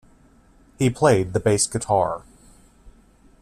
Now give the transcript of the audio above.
He played the bass guitar.